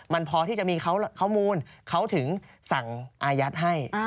มันพอที่จะมีข้อมูลเขาถึงสั่งอายัดให้